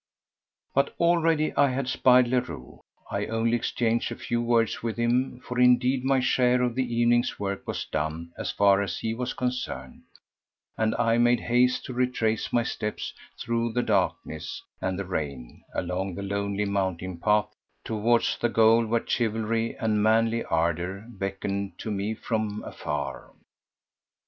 But already I had spied Leroux. I only exchanged a few words with him, for indeed my share of the evening's work was done as far as he was concerned, and I made haste to retrace my steps through the darkness and the rain along the lonely mountain path toward the goal where chivalry and manly ardour beckoned to me from afar.